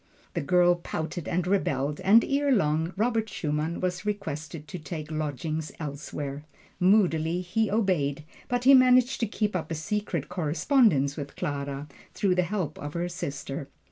The girl pouted and rebelled, and erelong Robert Schumann was requested to take lodgings elsewhere. Moodily he obeyed, but he managed to keep up a secret correspondence with Clara, through the help of her sister.